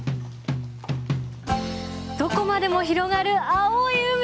どこまでも広がる青い海。